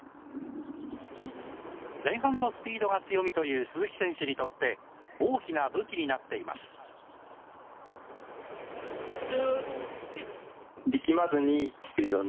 前半のスピードが強みという鈴木選手にとって、大きな武器になっています。